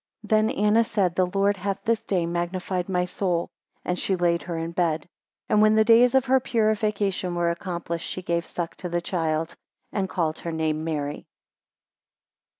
8 Then Anna said, The Lord hath this day magnified my soul; and she laid her in bed. 9 And when the days of her purification were accomplished, she gave suck to the child; and called her name Mary.